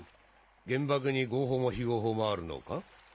原爆に合法も非合法もあるのか？